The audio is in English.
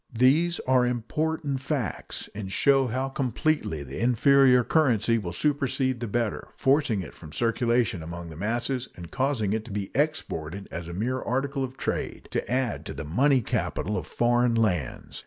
These are important facts, and show how completely the inferior currency will supersede the better, forcing it from circulation among the masses and causing it to be exported as a mere article of trade, to add to the money capital of foreign lands.